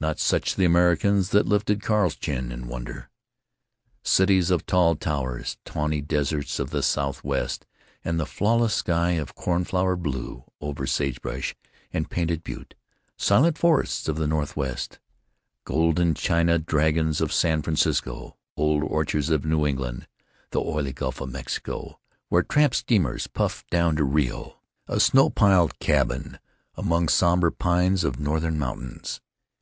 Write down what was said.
Not such the America that lifted Carl's chin in wonder—— Cities of tall towers; tawny deserts of the Southwest and the flawless sky of cornflower blue over sage brush and painted butte; silent forests of the Northwest; golden China dragons of San Francisco; old orchards of New England; the oily Gulf of Mexico where tramp steamers puff down to Rio; a snow piled cabin among somber pines of northern mountains.